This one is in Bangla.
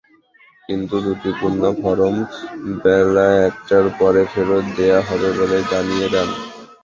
কিন্তু ত্রুটিপূর্ণ ফরম বেলা একটার পরে ফেরত দেওয়া হবে বলে জানিয়ে দেন।